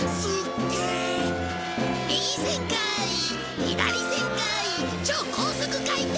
右旋回左旋回超高速回転！